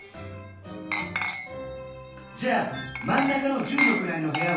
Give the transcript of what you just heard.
じゃあまん中の「十のくらい」のへやは？